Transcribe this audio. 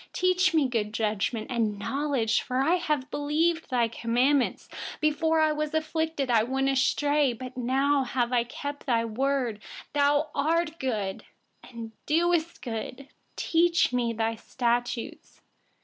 66Teach me good judgment and knowledge, for I believe in your commandments. 67Before I was afflicted, I went astray; but now I observe your word. 68You are good, and do good. Teach me your statutes.